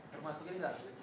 termasuk ini enggak